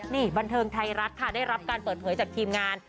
นี่บันเทิงไทยรัฐค่ะได้รับการเปิดเผยจากทีมงาน